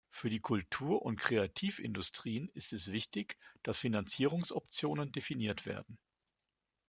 Für die Kultur- und Kreativindustrien ist es wichtig, dass Finanzierungsoptionen definiert werden.